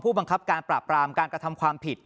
บังคับการปราบรามการกระทำความผิด